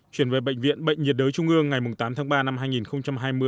chuyển về bệnh viện bệnh nhiệt đới trung ương ngày tám tháng ba năm hai nghìn hai mươi